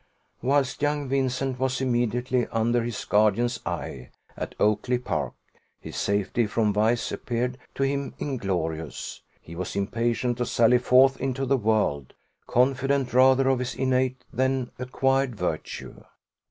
Whilst young Vincent was immediately under his guardian's eye at Oakly park, his safety from vice appeared to him inglorious; he was impatient to sally forth into the world, confident rather of his innate than acquired virtue.